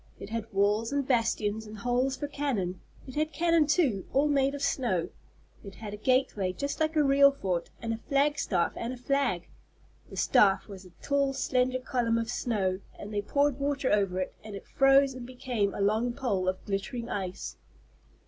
It had walls and bastions and holes for cannon. It had cannon too, all made of snow. It had a gateway, just like a real fort, and a flag staff and a flag. The staff was a tall slender column of snow, and they poured water over it, and it froze and became a long pole of glittering ice.